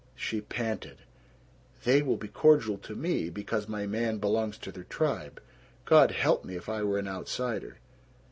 She panted, "They will be cordial to me, because my man belongs to their tribe. God help me if I were an outsider!"